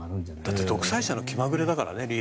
だって独裁者の気まぐれだからね。